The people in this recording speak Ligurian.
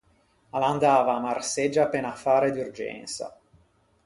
A l’andava à Marseggia pe un affare d’urgensa.